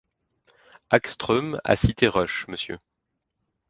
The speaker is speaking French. Hagström a cité Rush, Mr.